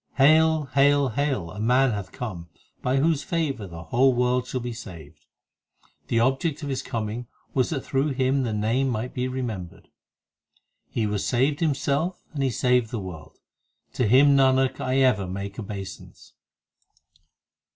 Hail, hail, hail ! a man x hath come By whose favour the whole world shall be saved. The object of his coming was That through him the Name might be remembered. He was saved himself and he saved the world : To him, Nanak, I ever make obeisance.